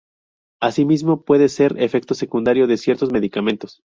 Así mismo puede ser efecto secundario de ciertos medicamentos.